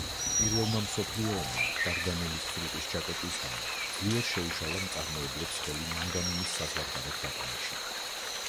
პირველმა მსოფლიო ომმა, დარდანელის სრუტის ჩაკეტვის გამო, ძლიერ შეუშალა მწარმოებლებს ხელი მანგანუმის საზღვარგარეთ გატანაში.